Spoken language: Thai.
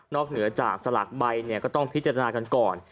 นอกเหนือจากสลากใบก็ต้องพิจารณากันก่อน